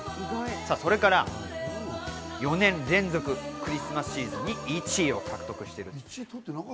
それから、４年連続クリスマスシーズンに１位を獲得しています。